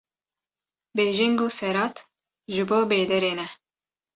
bêjing û serad ji bo bêderê ne